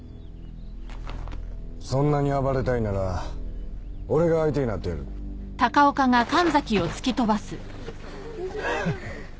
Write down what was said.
そんなに暴れたいなら俺が相手になってやるフッ